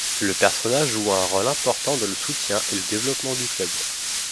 Le personnage joua un rôle important dans le soutien et le développement du club.